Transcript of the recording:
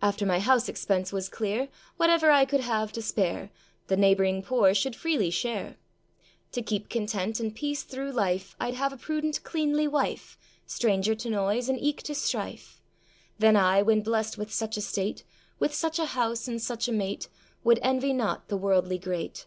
After my house expense was clear, Whatever I could have to spare, The neighbouring poor should freely share. To keep content and peace through life, I'd have a prudent cleanly wife, Stranger to noise, and eke to strife. Then I, when blest with such estate, With such a house, and such a mate, Would envy not the worldly great.